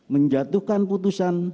dua menjatuhkan putusan